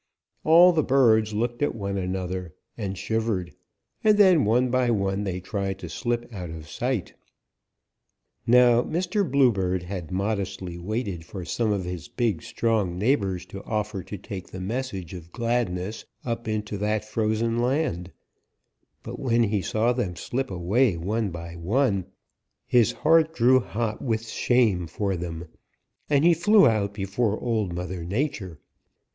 "All the birds looked at one another and shivered, and then one by one they tried to slip out of sight. Now Mr. Bluebird had modestly waited for some of his big, strong neighbors to offer to take the message of gladness up into that frozen land, but when he saw them slip away one by one, his heart grew hot with shame for them, and he flew out before Old Mother Nature.